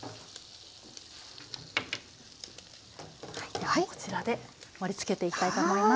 ではこちらで盛りつけていきたいと思います。